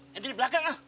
yang di belakang ah